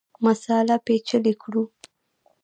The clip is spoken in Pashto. مسأله پېچلې کړو.